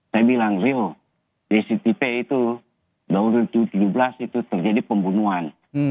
saya bilang ryo di stip itu tahun dua ribu tujuh belas itu terjadi pembunuhan